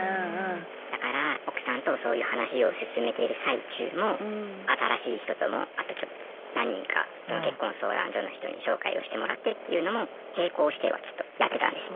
だから奥さんとそういう話を進めている最中も新しい人ともあとちょっと何人か結婚相談所の人に紹介をしてもらってっていうのも並行してはちょっとやってたんですね。